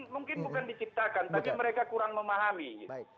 mungkin bukan diciptakan tapi mereka kurang memahami gitu